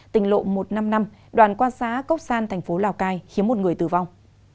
tình lộ một trăm năm mươi năm đoàn quan sát cốc san thành phố lào cai khiến một người tử vong